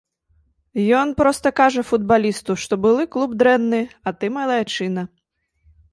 Ён проста кажа футбалісту, што былы клуб дрэнны, а ты малайчына.